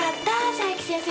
佐伯先生